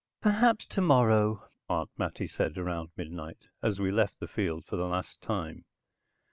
"Perhaps tomorrow," Aunt Mattie said around midnight, as we left the field for the last time.